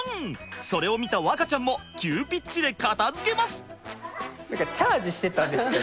それを見た和花ちゃんも急ピッチで片づけます！